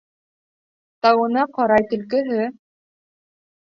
Тауына ҡарай төлкөһө.